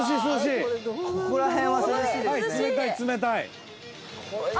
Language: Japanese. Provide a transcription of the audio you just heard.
ここら辺は涼しいですね。